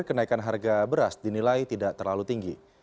kenaikan harga beras dinilai tidak terlalu tinggi